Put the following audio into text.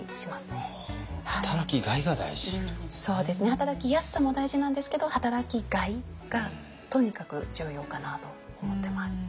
働きやすさも大事なんですけど働きがいがとにかく重要かなと思ってます。